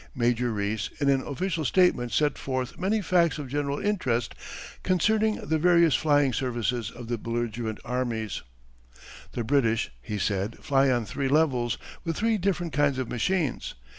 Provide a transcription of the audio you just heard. Major Rees in an official statement set forth many facts of general interest concerning the various flying services of the belligerent armies. The British, he said, fly on three levels with three different kinds of machines.